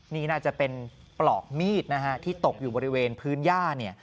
นี่น่าจะเป็นปลอกมีดนะฮะที่ตกอยู่บริเวณพื้นย่าเนี่ย